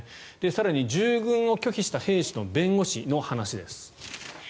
更に、従軍を拒否した兵士の弁護士の話です。